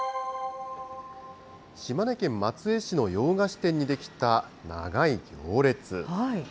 島根県松江市の洋菓子店に出来た長い行列。